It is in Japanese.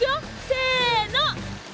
せの。